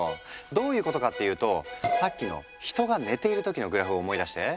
どういうことかっていうとさっきの人が寝ている時のグラフを思い出して。